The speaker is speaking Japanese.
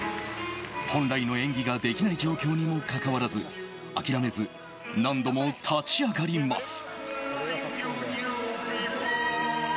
本来の演技ができない状況にもかかわらず諦めず、何度も立ち上がります。